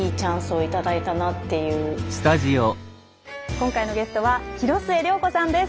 今回のゲストは広末涼子さんです。